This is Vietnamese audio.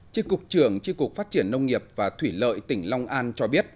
chiếc cục trưởng chiếc cục phát triển nông nghiệp và thủy lợi tỉnh long an cho biết